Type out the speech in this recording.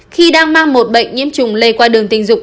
khi đang mang một bệnh nhiễm trùng lây qua đường tình dục